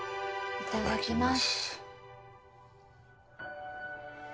いただきます。